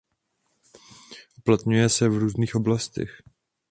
Uplatňuje se v různých oblastech.